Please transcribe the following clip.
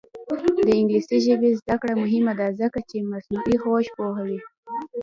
د انګلیسي ژبې زده کړه مهمه ده ځکه چې مصنوعي هوش پوهوي.